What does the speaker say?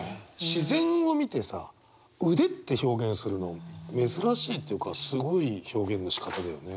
自然を見てさ「腕」って表現するの珍しいっていうかすごい表現のしかただよね。